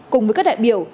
cùng với các đại biểu